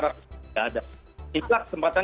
tidak ada inilah kesempatan